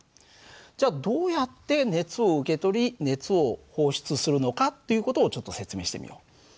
じゃあどうやって熱を受け取り熱を放出するのかっていう事をちょっと説明してみよう。